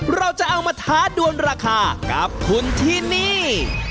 เราจะเอามาท้าดวนราคากับคุณที่นี่